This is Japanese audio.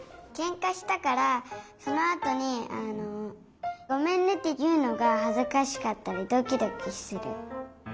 けんかしたからそのあとに「ごめんね」っていうのがはずかしかったりドキドキする。